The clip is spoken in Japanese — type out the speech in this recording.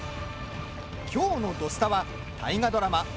きょうの「土スタ」は大河ドラマ